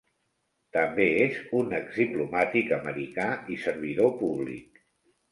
També és un exdiplomàtic americà i servidor públic.